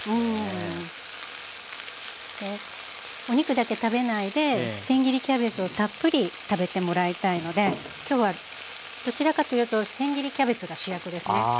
お肉だけ食べないでせん切りキャベツをたっぷり食べてもらいたいのできょうはどちらかというとせん切りキャベツが主役ですね。